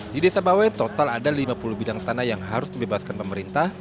di desa bawet total ada lima puluh bidang tanah yang harus dibebaskan pemerintah